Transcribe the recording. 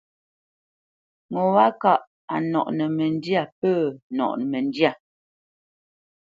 Ŋo wâ kâʼ a nɔʼnə́ məndyâ pə̂ nɔʼnə məndyâ.